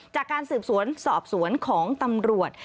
จากการสืบสวนสอบสวนของตำรวจ